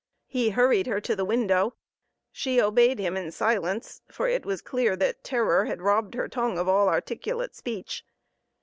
He hurried her to the window. She obeyed him in silence, for it was clear that terror had robbed her tongue of all articulate speech.